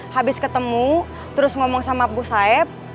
habis ketemu terus ngomong sama bos saeb